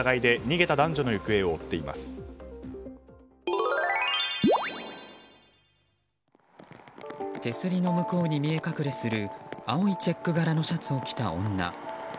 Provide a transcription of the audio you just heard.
手すりの向こうに見え隠れする青いチェック柄のシャツを着た女。